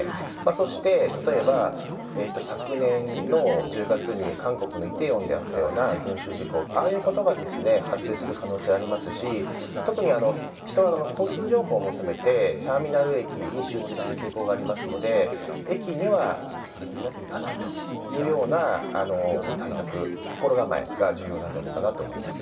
そして、例えば昨年の１０月に韓国のイテウォンであったような群集事故、ああいうことがですね発生する可能性ありますし特に人は交通情報を求めてターミナル駅に集中する傾向がありますので駅にはできるだけ行かないというような対策、心構えが重要なんじゃないかなと思います。